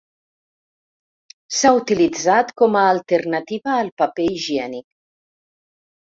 S'ha utilitzat com a alternativa al paper higiènic.